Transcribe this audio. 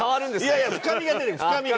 いやいや深みが出る深みが。